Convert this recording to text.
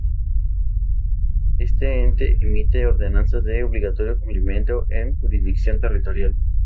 Este ente emite ordenanzas de obligatorio cumplimiento en su jurisdicción territorial.